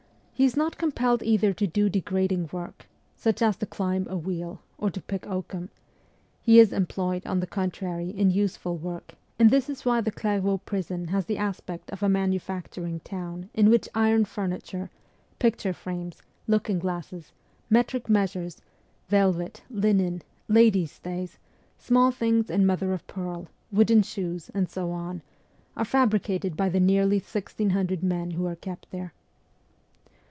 He is not compelled either to do degrading work, such as to climb a wheel, or to pick oakum ; he is employed, on the contrary, in useful work, and this is why the Clairvaux prison has the aspect of a manufacturing town in which iron furniture, picture frames, looking glasses, metric measures, velvet, linen, ladies' stays, small things in mother of pearl, wooden shoes, and so on, are fabricated by the nearly 1,600 men who are kept there.